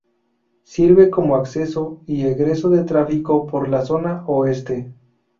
Sirve como acceso y egreso de tráfico por la zona oeste.